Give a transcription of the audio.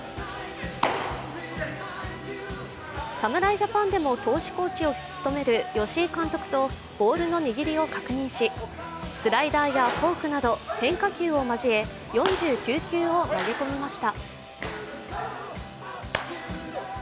侍ジャパンでも投手コーチを務める吉井監督とボールの握りを確認しスライダーやフォークなど変化球を交え、４９球を投げ込みました。